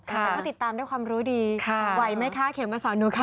แต่ก็ติดตามด้วยความรู้ดีไหวไหมคะเข็มมาสอนหนูค่ะ